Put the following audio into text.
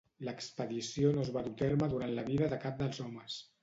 L'expedició no es va dur a terme durant la vida de cap dels homes.